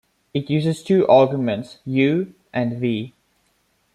It uses two arguments "u" and "v".